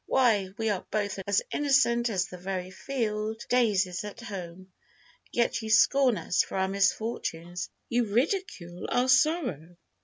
Why, we are both as innocent as the very field daisies at home, yet you scorn us for our misfortunes—you ridicule our sorrow!"